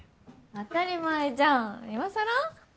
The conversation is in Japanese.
当たり前じゃん今さら？